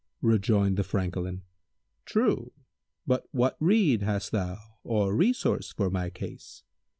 Rejoined the Francolin, "True! But what rede hast thou or resource for my case?"